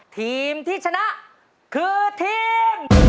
ทีมที่ชนะคือทีม